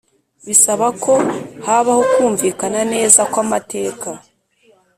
bisaba ko habaho kumvikana neza kw amateka